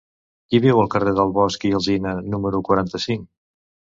Qui viu al carrer de Bosch i Alsina número quaranta-cinc?